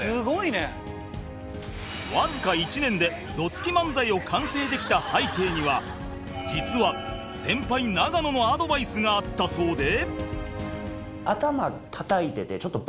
わずか１年でどつき漫才を完成できた背景には実は先輩永野のアドバイスがあったそうで